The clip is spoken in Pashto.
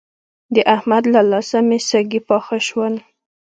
د احمد له لاسه مې سږي پاخه شول.